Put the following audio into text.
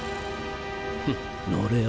フッ乗れよ。